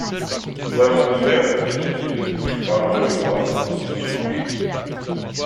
Voilà mon affaire, répliqua-t-il, je parlerai au roi tandis qu'il mange.